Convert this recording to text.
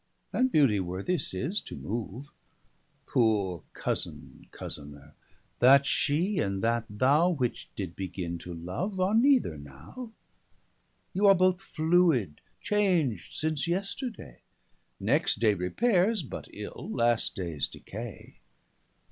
(And beauty worthy'st is to move) 390 Poore cousened cousenor, that she, and that thou, Which did begin to love, are neither now; You are both fluid, chang'd since yesterday; Next day repaires, (but ill) last dayes decay.